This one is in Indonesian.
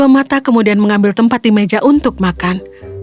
dua mata kemudian mengambil tempat di meja untuk makan